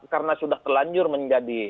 karena sudah telanjur menjadi